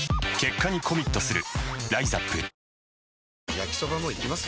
焼きソバもいきます？